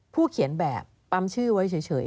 เขียนแบบปั๊มชื่อไว้เฉย